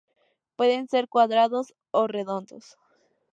Pueden ser cuadrados o redondos.